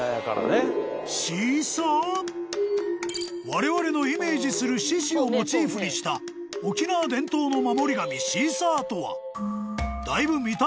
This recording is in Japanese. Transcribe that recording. ［われわれのイメージする獅子をモチーフにした沖縄伝統の守り神シーサーとはだいぶ］